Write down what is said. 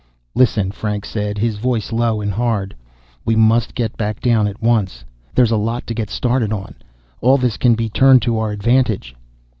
"Listen," Franks said, his voice low and hard. "We must get back down at once. There's a lot to get started on. All this can be turned to our advantage."